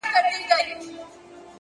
بابولاله!!